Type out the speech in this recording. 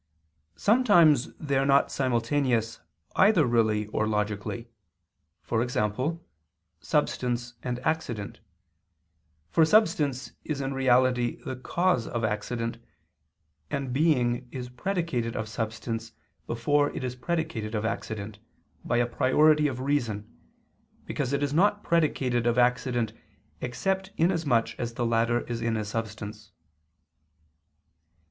Sometimes they are not simultaneous either really or logically; e.g. substance and accident; for substance is in reality the cause of accident; and being is predicated of substance before it is predicated of accident, by a priority of reason, because it is not predicated of accident except inasmuch as the latter is in substance.